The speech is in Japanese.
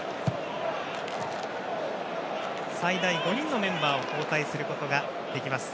最大５人のメンバーを交代できます。